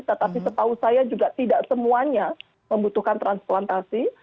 tetapi setahu saya juga tidak semuanya membutuhkan transplantasi